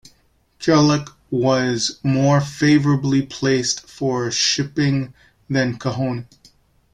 Kaolack was more favorably placed for shipping than Kahone.